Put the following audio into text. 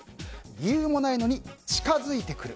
理由もないのにちかづいてくる。